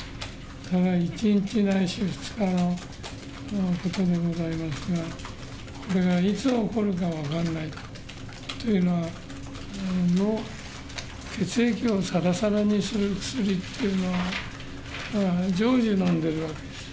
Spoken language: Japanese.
それが１日ないし２日のことでございますが、これがいつ起こるか分かんないから、というのは、血液をさらさらにする薬っていうのは、常時飲んでるわけです。